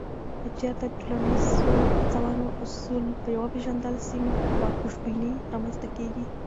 که چیرته د ټولنیزو هڅونو اصل وپېژندل سي، نو خوشبیني رامنځته کیږي.